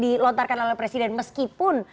dilontarkan oleh presiden meskipun